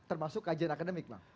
termasuk kajian akademik bang